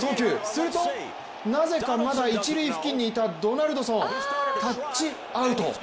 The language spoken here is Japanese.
すると、なぜかまだ一塁付近にいたドナルドソン、タッチアウト。